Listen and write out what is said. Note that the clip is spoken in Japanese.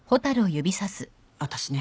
私ね。